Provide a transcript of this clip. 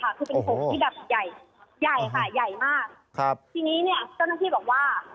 คือเป็นผงที่แบบใหญ่ใหญ่ค่ะใหญ่มากครับทีนี้เนี่ยเจ้าหน้าที่บอกว่า